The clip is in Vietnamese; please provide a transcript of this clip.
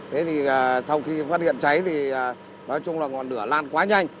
thế thì sau khi phát hiện cháy thì nói chung là ngọn lửa lan quá nhanh